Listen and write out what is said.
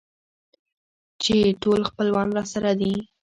چې ټول خپلوان راسره دي.